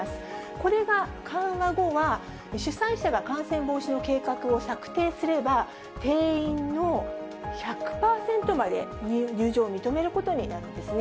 これが緩和後は主催者が感染防止の計画を策定すれば、定員の１００％まで入場を認めることになるんですね。